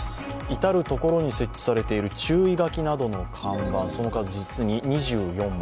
至る所に設置されている注意書きなどの看板、その数実に２４枚。